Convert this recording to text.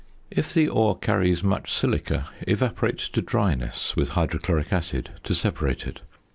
If the ore carries much silica, evaporate to dryness with hydrochloric acid to separate it.